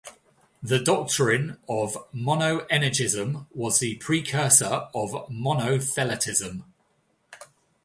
This doctrine of "Monoenergism" was the precursor of Monotheletism.